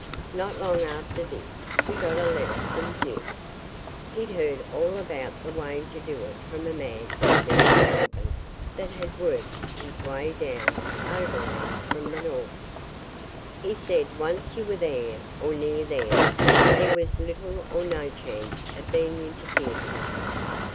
Not long after this we got a letter from Jim. He'd heard all about the way to do it from a man he'd met in Melbourne that had worked his way down overland from the North. He said once you were there, or near there, there was little or no chance of being interfered with.